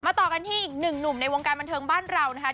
ต่อกันที่อีกหนึ่งหนุ่มในวงการบันเทิงบ้านเรานะคะ